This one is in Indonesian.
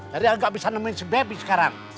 jadi aku gak bisa nemuin si bebi sekarang